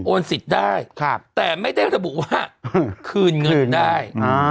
สิทธิ์ได้แต่ไม่ได้ระบุว่าคืนเงินได้